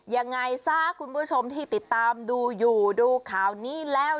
ยังไงซะคุณผู้ชมที่ติดตามดูอยู่ดูข่าวนี้แล้ว